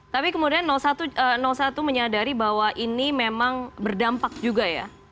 tapi kemudian satu menyadari bahwa ini memang berdampak juga ya